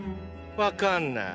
わかんない。